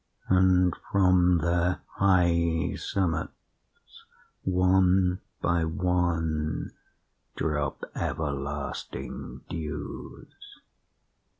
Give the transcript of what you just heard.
And from their high summits, one by one, drop everlasting dews.